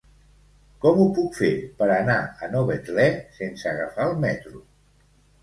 Com ho puc fer per anar a Novetlè sense agafar el metro?